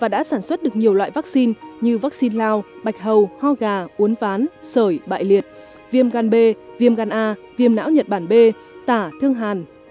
đầu loại vắc xin như vắc xin lao bạch hầu ho gà uốn ván sởi bại liệt viêm gan b viêm gan a viêm não nhật bản b tả thương hàn